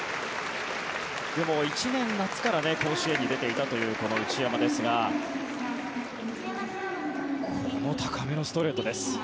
１年夏から甲子園に出ていたというこの内山ですがこの高めのストレートです。